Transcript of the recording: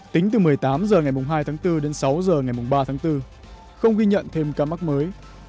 tính từ một mươi tám h ngày hai tháng bốn đến sáu h ngày ba tháng bốn không ghi nhận thêm ca mắc mới